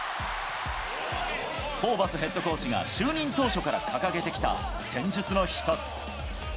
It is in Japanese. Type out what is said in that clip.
ホーバスヘッドコーチが就任当初から掲げてきた戦術の一つ。